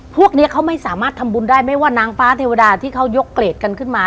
พวกนี้เขาไม่สามารถทำบุญได้ไม่ว่านางฟ้าเทวดาที่เขายกเกรดกันขึ้นมา